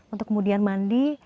untuk kemudian mandi